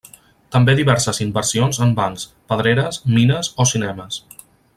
També diverses inversions en bancs, pedreres, mines o cinemes.